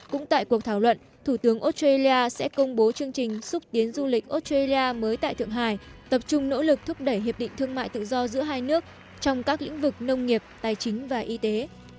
cũng tại cuộc thảo luận thủ tướng australia sẽ công bố chương trình xúc tiến du lịch australia mới tại thượng hải tập trung nỗ lực thúc đẩy hiệp định thương mại tự do giữa hai nước trong các lĩnh vực nông nghiệp tài chính và y tế